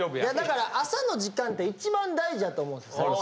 だから朝の時間って一番大事やと思うんです最近。